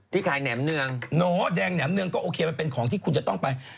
ที่ขายแหนมเนืองโน้แดงแหมเนืองก็โอเคมันเป็นของที่คุณจะต้องไป